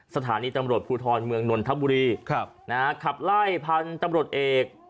สถานีตำรวจภูทรเมืองนนทบุรีครับนะฮะขับไล่พันธุ์ตำรวจเอก